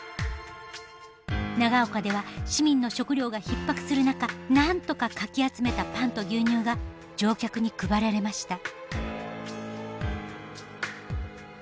長岡では市民の食料がひっ迫する中なんとかかき集めたパンと牛乳が乗客に配られました。